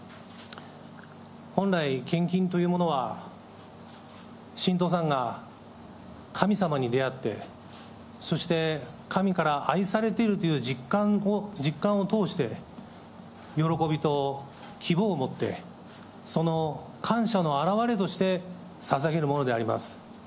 本来、献金というものは、信徒さんが神様に出会って、そして、神から愛されているという実感を通して、喜びと希望をもって、その感謝の表れとしてささげるものであります。